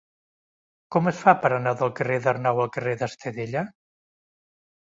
Com es fa per anar del carrer d'Arnau al carrer d'Estadella?